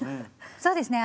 そうですね